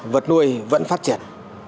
vật nuôi vẫn phát triển